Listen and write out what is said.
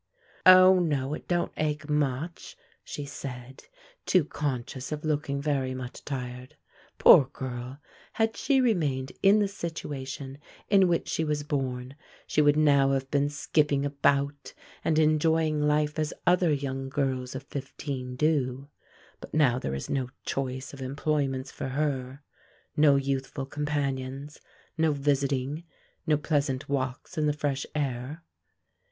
"O, no, it don't ache much," said she, too conscious of looking very much tired. Poor girl! had she remained in the situation in which she was born, she would now have been skipping about, and enjoying life as other young girls of fifteen do; but now there is no choice of employments for her no youthful companions no visiting no pleasant walks in the fresh air.